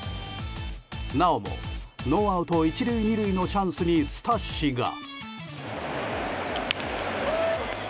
なおもノーアウト１塁２塁のチャンスに、スタッシが。